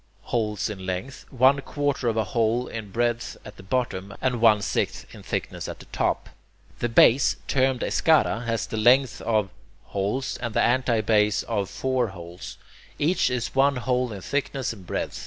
holes in length, one quarter of a hole in breadth at the bottom, and one sixth in thickness at the top. The base, termed [Greek: eschara], has the length of... holes, and the anti base of four holes; each is one hole in thickness and breadth.